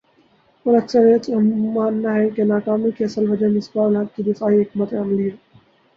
اور اکثریت کا ماننا ہے کہ ناکامی کی اصل وجہ مصباح الحق کی دفاعی حکمت عملی ہے